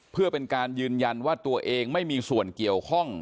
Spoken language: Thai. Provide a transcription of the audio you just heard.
เพื่อเป็นการยืนยันว่าตัวเองไม่มีส่วนเกี่ยวข้อง